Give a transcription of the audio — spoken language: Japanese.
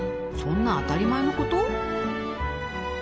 そんな当たり前のこと？